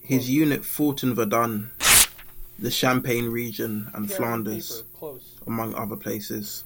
His unit fought in Verdun, the Champagne region and Flanders, among other places.